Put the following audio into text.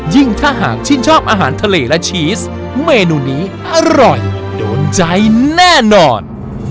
ถ้าหากชื่นชอบอาหารทะเลและชีสเมนูนี้อร่อยโดนใจแน่นอน